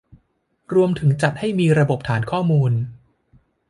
รวมถึงจัดให้มีระบบฐานข้อมูล